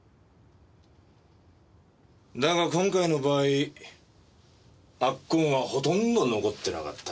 だが今回の場合圧痕はほとんど残ってなかった。